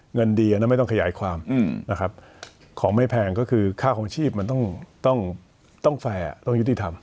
เงินดีอันนั้นไม่ต้องขยายความนะครับของไม่แพงก็คือค่าคลองชีพมันต้องแฟร์ต้องยุติธรรม